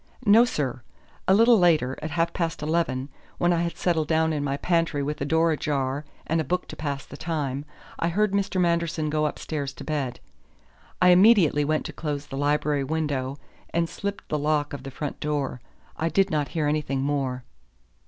"No, sir. A little later, at half past eleven, when I had settled down in my pantry with the door ajar, and a book to pass the time, I heard Mr. Manderson go upstairs to bed. I immediately went to close the library window, and slipped the lock of the front door. I did not hear anything more."